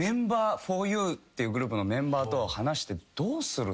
ゆっていうグループのメンバーと話してどうする？